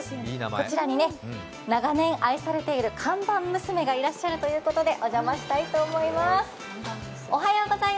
こちらに長年愛されている看板娘がいらっしゃるということでお邪魔したいと思います。